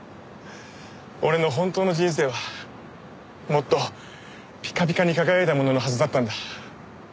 俺の本当の人生はもっとピカピカに輝いたもののはずだったんだ。